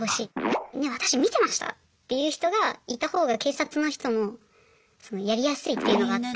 「私見てました」っていう人がいたほうが警察の人もやりやすいっていうのがあって。